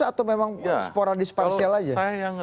atau memang sporadis parsial aja